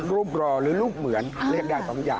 รูปหล่อหรือรูปเหมือนเรียกได้ตรงนี้